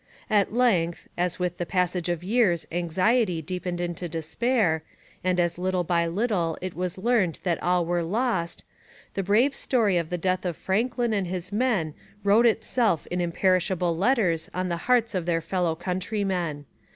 At length, as with the passage of years anxiety deepened into despair, and as little by little it was learned that all were lost, the brave story of the death of Franklin and his men wrote itself in imperishable letters on the hearts of their fellow countrymen.